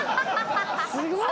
すごい！